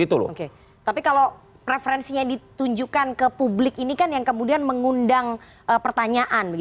tapi kalau preferensinya ditunjukkan ke publik ini kan yang kemudian mengundang pertanyaan